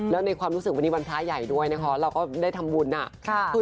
และในความรู้สึกว่าวันนี้วันพระหย่ายด้วยเนี่ยเราก็ได้ทำบุญแห๊ะ